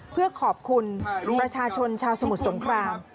เพื่อขอบคุณประชาชนชาวสมุทรสงคราม